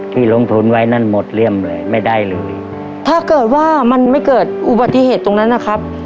ที่ลงทุนไว้นั่นหมดเลี่ยมเลยไม่ได้เลยถ้าเกิดว่ามันไม่เกิดอุบัติเหตุตรงนั้นนะครับ